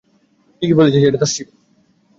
ঠিকই বলেছিলিস, এটা তোর শিপ।